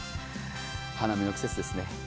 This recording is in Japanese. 花見の季節ですね。